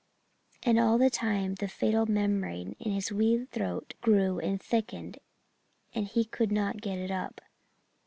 And all the time the fatal membrane in his wee throat grew and thickened and he couldn't get it up.